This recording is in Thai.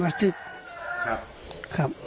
สมาชิกอะไรครับ